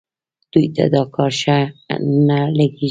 دوی ته دا کار ښه نه لګېږي.